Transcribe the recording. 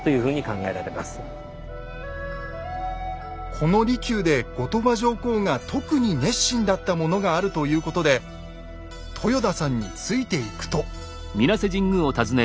この離宮で後鳥羽上皇が特に熱心だったものがあるということで豊田さんについていくと。